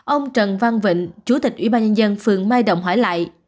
ông trần văn vịnh chủ tịch ủy ban nhân dân phường mai động hỏi lại